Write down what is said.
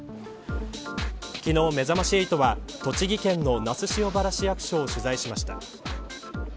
昨日、めざまし８は栃木県の那須塩原市役所を取材しました。